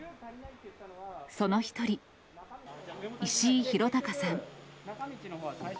その一人、石井裕隆さん。